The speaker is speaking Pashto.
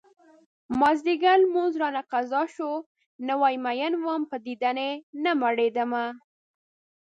مازديګر لمونځ رانه قضا شو نوی مين وم په دیدن نه مړيدمه